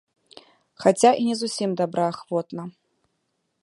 Хаця і не зусім добраахвотна.